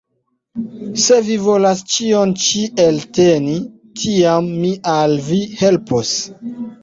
Se vi volas ĉion ĉi elteni, tiam mi al vi helpos!